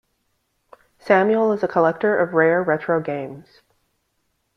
Samuel is a collector of rare retro games.